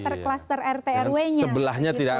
terkluster rtrw nya sebelahnya tidak